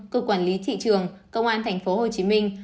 cơ quản lý thị trường công an tp hcm